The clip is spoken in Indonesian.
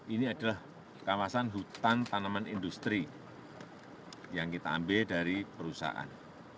ini adalah kawasan hutan tanaman industri yang kita ambil dari perusahaan